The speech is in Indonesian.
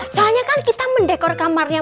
soalnya kan kita mendekor kamarnya